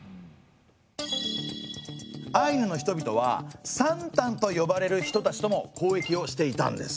アイヌの人々はサンタンと呼ばれる人たちとも交易をしていたんです。